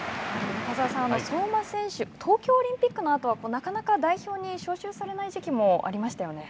中澤さん、相馬選手、東京オリンピックのあとは、なかなか代表に招集されない時期もありましたよね。